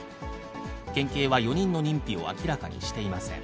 県警は４人の認否を明らかにしていません。